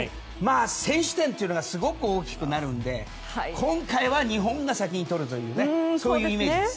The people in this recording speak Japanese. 先取点がすごく大きくなるので今回は日本が先に取るというそういうイメージです。